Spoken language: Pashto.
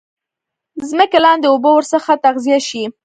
ځمکې لاندي اوبه ورڅخه تغذیه شي.